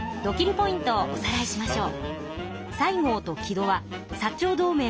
ポイントをおさらいしましょう。